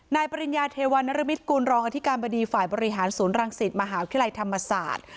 ปริญญาเทวันนรมิตกุลรองอธิการบดีฝ่ายบริหารศูนย์รังสิตมหาวิทยาลัยธรรมศาสตร์